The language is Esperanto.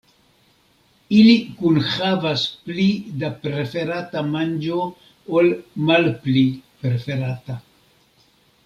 Ili kunhavas pli da preferata manĝo ol malpli preferata.